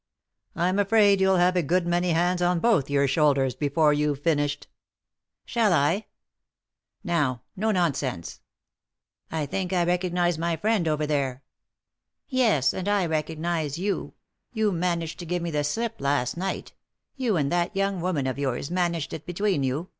"I'm afraid you'll have a good many hands on both your shoulders before you've finished." " Shall I ?"" Now, no nonsense I " "I think I recognise my friend over there." " Yes ; and I recognise you. You managed to give me the slip last night ; you and that young woman of yours managed it between you.